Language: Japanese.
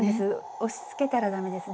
押しつけたら駄目です。